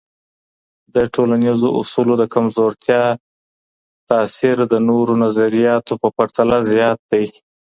د ټولنيزو اصولو د کمزورتیا تاثیر د نورو نظریاتو په پرتله زیات دی.